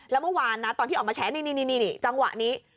แล้วเมื่อวานนะตอนที่ออกมาแฉนี่จังหวะนี้